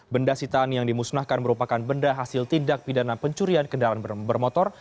benda sitaan yang dimusnahkan merupakan benda hasil tindak pidana pencurian kendaraan bermotor